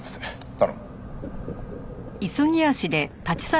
頼む。